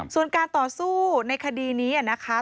ส่วนการต่อสู้ในคดีนี้นะคะ